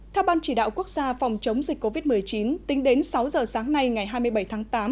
theo ban chỉ đạo quốc gia phòng chống dịch covid một mươi chín tính đến sáu giờ sáng nay ngày hai mươi bảy tháng tám